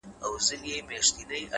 علم د پرمختګ لارې جوړوي,